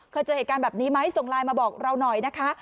เคยเจอเหตุการณ์แบบนี้ไหมส่งไลน์มาบอกเราหน่อยนะคะ